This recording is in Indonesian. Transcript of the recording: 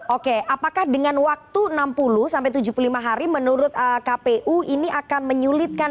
oke apakah dengan waktu enam puluh sampai tujuh puluh lima hari menurut kpu ini akan menyulitkan